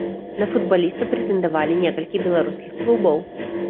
На футбаліста прэтэндавалі некалькі беларускіх клубаў.